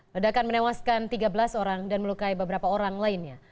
ledakan menewaskan tiga belas orang dan melukai beberapa orang lainnya